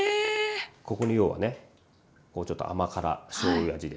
ここに要はねこうちょっと甘辛しょうゆ味で。